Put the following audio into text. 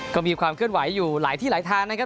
ก็มีความเคลื่อนไหวอยู่หลายที่หลายทางนะครับ